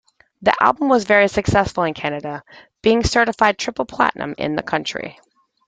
The album was very successful in Canada, being certified Triple Platinum in the country.